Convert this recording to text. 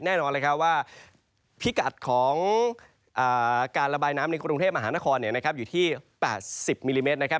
แน่นอนเลยครับว่าพิกัดของการระบายน้ำในกรุงเทพมหานครอยู่ที่๘๐มิลลิเมตรนะครับ